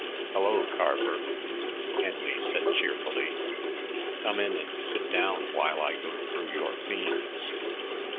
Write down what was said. "Hello, Carver," Henley said cheerfully. "Come in and sit down while I go through your themes."